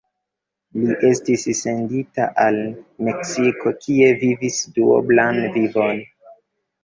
Li estis sendita al Meksiko, kie vivis duoblan vivon.